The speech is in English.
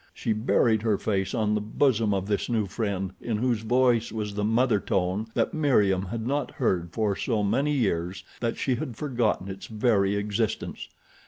She buried her face on the bosom of this new friend in whose voice was the mother tone that Meriem had not heard for so many years that she had forgotten its very existence.